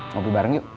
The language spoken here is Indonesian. ngopi bareng yuk